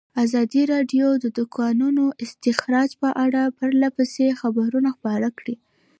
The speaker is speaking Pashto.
ازادي راډیو د د کانونو استخراج په اړه پرله پسې خبرونه خپاره کړي.